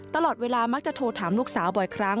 ตลอดเวลามักจะโทรถามลูกสาวบ่อยครั้ง